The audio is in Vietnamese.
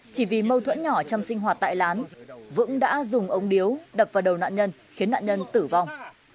chỉ vì mâu thuẫn nhỏ trong sinh hoạt tại lán vững đã dùng ống điếu đập vào đầu nạn nhân khiến nạn nhân tử vong